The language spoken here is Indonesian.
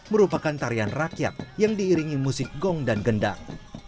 merupakan tarian rakyat yang diiringi musik gong dan gendang